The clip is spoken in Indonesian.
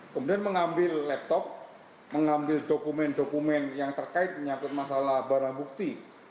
kemudian mengambil laptop mengambil dokumen dokumen yang terkait menyangkut masalah barang bukti